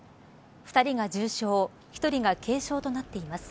２人が重傷１人が軽傷となっています。